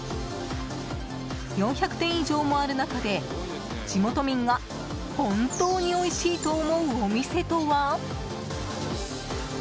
４００店以上もある中で地元民が本当においしいと思うお店とは？